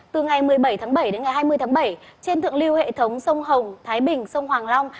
từ ngày một mươi bảy tháng bảy đến ngày hai mươi tháng bảy trên thượng lưu hệ thống sông hồng thái bình sông hoàng long